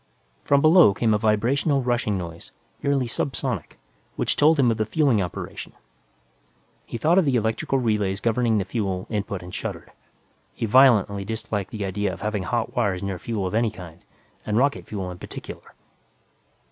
From below came a vibrational rushing noise, nearly subsonic, which told him of the fueling operation. He thought of the electrical relays governing the fuel input and shuddered. He violently disliked the idea of having hot wires near fuel of any kind, and rocket fuel in particular.